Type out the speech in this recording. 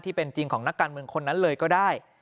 จริงของนักการเมืองคนนั้นเลยก็ได้